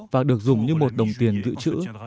và được dùng như một đồng tiền dự trữ